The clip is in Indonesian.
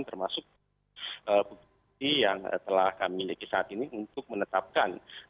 termasuk bukti bukti yang telah kami miliki saat ini untuk menetapkan